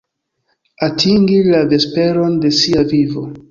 Atingi la vesperon de sia vivo.